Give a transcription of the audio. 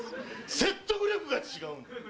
説得力が違うんだ。